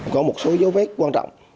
có một số dấu vết quan trọng